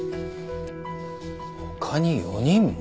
他に４人も？